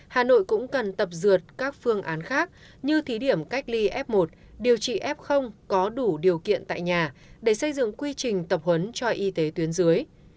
hà nội cũng cần tập dượt các phương án khác như thí điểm cách ly f một điều trị f có đủ điều kiện tại nhà để xây dựng quy trình tập huấn cho y tế tuyến dưới